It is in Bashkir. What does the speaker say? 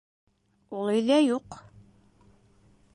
Ул өйҙә юҡ